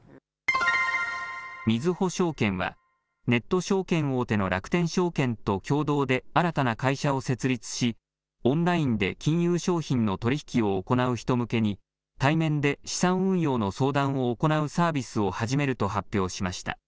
みずほ証券はネット証券大手の楽天証券と共同で新たな会社を設立し、オンラインで金融商品の取り引きを行う人向けに対面で資産運用の相談を行うサービスを始めると発表しました。